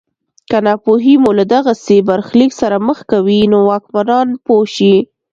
که ناپوهي مو له دغسې برخلیک سره مخ کوي نو واکمنان پوه شي.